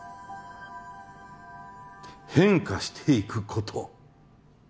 変化していくこと